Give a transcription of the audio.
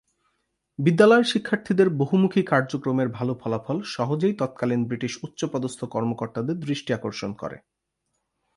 বিদ্যালয়ের শিক্ষার্থীদের বহুমুখী কার্যক্রমের ভাল ফলাফল সহজেই তৎকালীন ব্রিটিশ উচ্চ পদস্থ কর্মকর্তাদের দৃষ্টি আকর্ষণ করে।